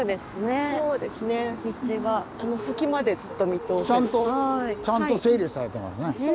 ちゃんとちゃんと整理されてますね。